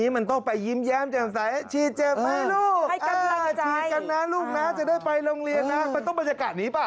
มันต้องบรรยากาศนี้ป่ะ